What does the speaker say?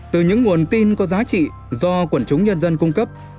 từ những nguồn tin có giá trị do quần chúng nhân dân cung cấp